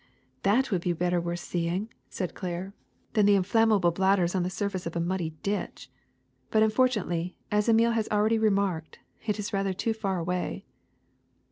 ''^* That would be better worth seeing, '' said Claire, KEROSENE OIL 145 ^^than the inflammable bladders on the surface of a muddy ditch. But unfortunately, as Emile has al ready remarked, it is rather too far away.